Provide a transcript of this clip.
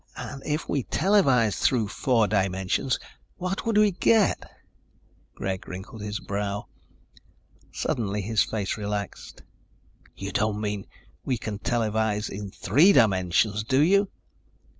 And if we televised through four dimensions, what would we get?" Greg wrinkled his brow. Suddenly his face relaxed. "You don't mean we can televise in three dimensions, do you?"